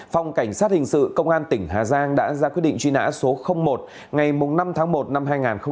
phòng cảnh sát hình sự công an tỉnh hà giang đã ra quyết định truy nã số một ngày năm tháng một năm hai nghìn một mươi